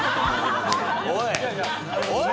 おい！